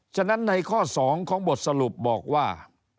ฉะนั้นในข้อ๒ของบทสรุปบอกว่า